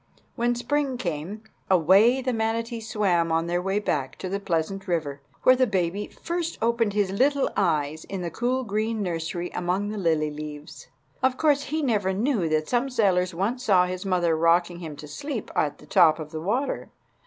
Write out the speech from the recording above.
When spring came, away the manatees swam on their way back to the pleasant river, where the baby first opened his little eyes in the cool green nursery among the lily leaves. Of course he never knew that some sailors once saw his mother rocking him to sleep at the top of the water.